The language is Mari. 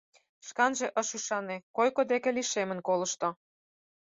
Шканже ыш ӱшане, койко деке лишемын колышто.